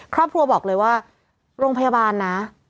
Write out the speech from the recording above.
ครอบครัวบอกเลยว่าโรงพยาบาลนะ